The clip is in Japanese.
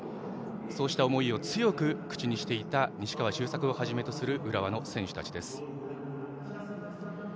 そうした思いを強く口にしていた西川周作をはじめとする浦和の選手たちです。